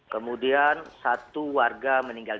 kemudian satu warga